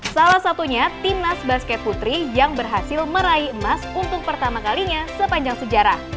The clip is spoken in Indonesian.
salah satunya timnas basket putri yang berhasil meraih emas untuk pertama kalinya sepanjang sejarah